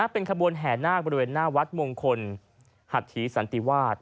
เป็นขบวนแห่นาคบริเวณหน้าวัดมงคลหัตถีสันติวาส